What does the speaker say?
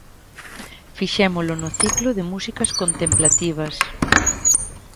Fixémolo no ciclo de músicas contemplativas.